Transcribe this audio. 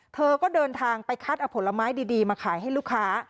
เธอก็เดินทางไปคัดเอาผลไม้ดีมาขายให้ลูกค้า